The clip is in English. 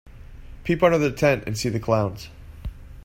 Peep under the tent and see the clowns.